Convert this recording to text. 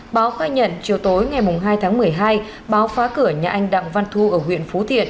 báo khai nhận chiều tối ngày hai tháng một mươi hai báo phá cửa nhà anh đặng văn thu ở huyện phú thiện